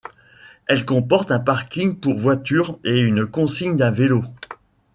Elle comporte un parking pour voitures et une consigne à vélos.